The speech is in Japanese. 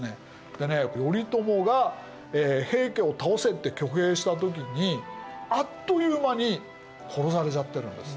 でね頼朝が平家を倒せって挙兵した時にあっという間に殺されちゃってるんです。